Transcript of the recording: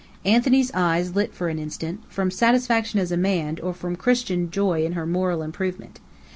Anthony's eyes lit for an instant, from satisfaction as a man, or from Christian joy in her moral improvement.